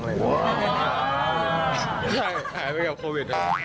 ใช่หายไปกับโควิด